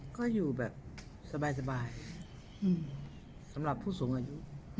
ก็อยู่แบบสบายสำหรับผู้สูงอายุ